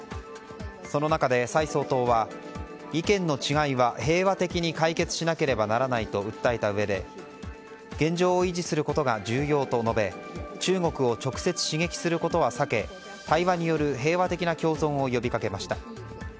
その中で、蔡総統は意見の違いは平和的に解決しなければならないと訴えたうえで現状を維持することが重要と述べ中国を直接刺激することは避け対話による平和的な共存を呼びかけました。